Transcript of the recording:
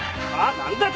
何だ？